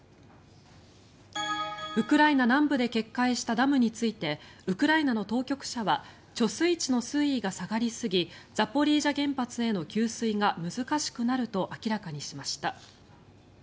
ウクライナ南部で決壊したダムについてウクライナの当局者は貯水池の水位が下がりすぎザポリージャ原発への給水が難しくなると明らかにしました。